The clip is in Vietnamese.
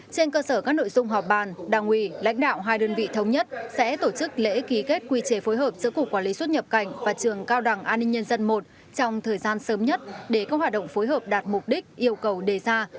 trên cơ sở các nội dung họp bàn đảng ủy lãnh đạo hai đơn vị thống nhất sẽ tổ chức lễ ký kết quy chế phối hợp giữa cục quản lý xuất nhập cảnh và trường cao đẳng an ninh nhân dân i trong thời gian sớm nhất để các hoạt động phối hợp đạt mục đích yêu cầu đề ra